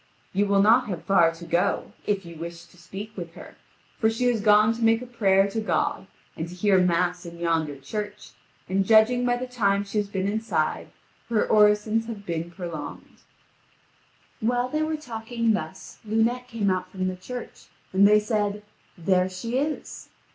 You will not have far to go, if you wish to speak with her; for she has gone to make prayer to God and to hear Mass in yonder church, and judging by the time she has been inside, her orisons have been prolonged." (Vv. 4965 5106.) While they were talking thus, Lunete came out from the church, and they said: "There she is."